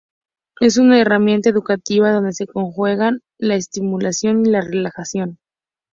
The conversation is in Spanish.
Es una herramienta educativa donde se conjugan: la estimulación y la relajación.